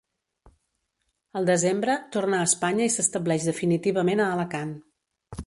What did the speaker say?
Al desembre torna a Espanya i s'estableix definitivament a Alacant.